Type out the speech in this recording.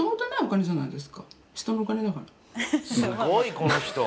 すごいこの人。